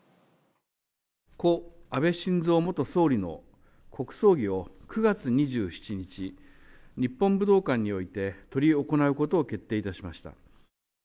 故・安倍晋三元総理の国葬儀を９月２７日、日本武道館において執り行うことを決定いたしました。